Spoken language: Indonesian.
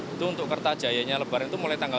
itu untuk kertajayanya lebaran itu mulai tanggal